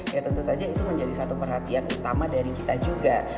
ya tentu saja itu menjadi satu perhatian utama dari kita juga